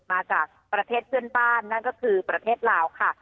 มาจากประเทศเพื่อนบ้านนั่นก็คือประเทศลาวค่ะ